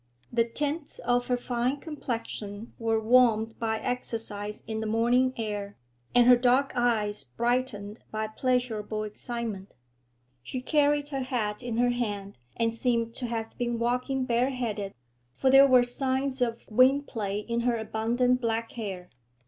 The tints of her fine complexion were warmed by exercise in the morning air, and her dark eyes brightened by pleasurable excitement; she carried her hat in her hand, and seemed to have been walking bare headed, for there were signs of wind play in her abundant black hair.